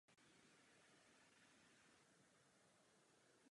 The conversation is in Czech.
To si žádá neodkladnou reakci.